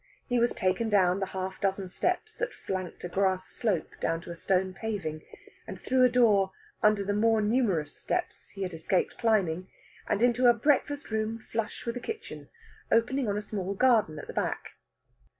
He was taken down the half dozen steps that flanked a grass slope down to a stone paving, and through a door under the more numerous steps he had escaped climbing, and into a breakfast room flush with the kitchen, opening on a small garden at the back.